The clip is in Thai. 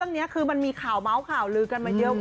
ตั้งนี้คือมันมีข่าวเม้าข่าวลือกันมาเดียว